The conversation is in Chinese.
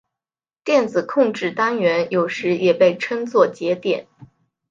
电子控制单元有时也被称作节点。